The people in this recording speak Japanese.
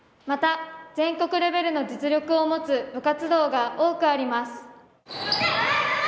また全国レベルの実力を持つ部活動が多くあります。